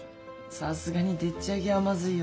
さすがにでっちあげはまずいよねえ。